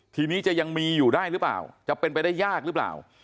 ทีนี้จะยังมีอยู่ได้หรือเปล่าจะเป็นไปได้ยากหรือเปล่า